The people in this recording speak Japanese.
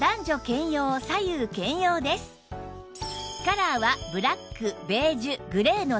サポーターはカラーはブラックベージュグレーの３色